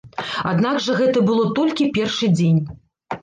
Аднак жа гэта было толькі першы дзень.